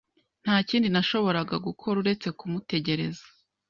Nta kindi nashoboraga gukora uretse kumutegereza.